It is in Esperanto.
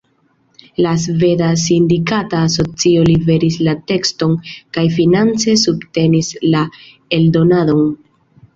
La Sveda Sindikata Asocio liveris la tekston kaj finance subtenis la eldonadon.